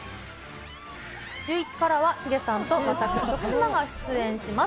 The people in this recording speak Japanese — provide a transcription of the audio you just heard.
シューイチからは、ヒデさんと私、徳島が出演します。